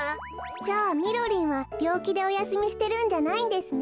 じゃあみろりんはびょうきでおやすみしてるんじゃないんですね。